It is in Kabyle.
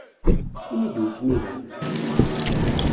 Ini-d wi kem-ilan!